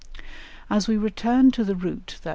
As we return to the route that M.